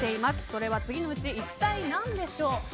それは次のうち一体何でしょう。